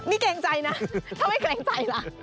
นี่เกรงใจนะถ้าไม่เกรงใจล่ะ